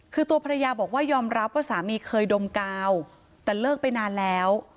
คือตัวภรรยาบอกว่ายอมรับว่าสามีเคยดมกาวแต่เลิกไปนานแล้ว